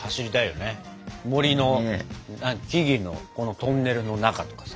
森の木々のトンネルの中とかさ。